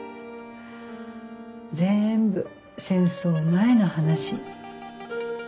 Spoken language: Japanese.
全部戦争前の話。